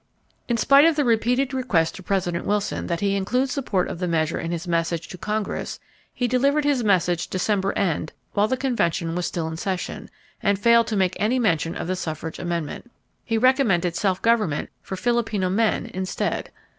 In spite of the repeated requests to President Wilson that he include support of the measure in his message to Congress, he delivered his message December end while the convention was still in session, and failed to make any mention of the suffrage amendment. He recommended self government for Filipino men instead.